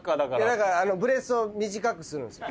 だからブレスを短くするんですよ。